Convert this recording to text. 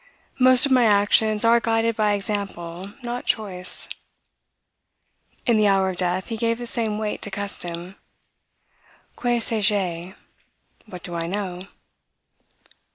Most of my actions are guided by example, not choice." In the hour of death he gave the same weight to custom. Que sais je? What do I know.